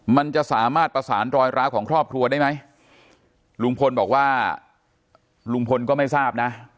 มันจะสามารถประสานรอยร้าวของครอบครัวได้ไหมลุงพลบอกว่าลุงพลก็ไม่ทราบนะ